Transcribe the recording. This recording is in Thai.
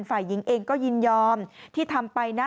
ฝ่ายหญิงเองก็ยินยอมที่ทำไปนะ